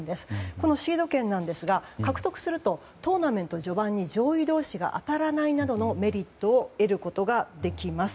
このシード権ですが獲得するとトーナメント序盤に上位同士が当たらないなどのメリットを得ることができます。